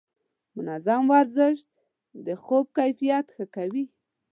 منظم ورزش د خوب کیفیت ښه کوي.